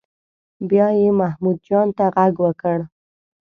بیا یې محمود جان ته غږ وکړ.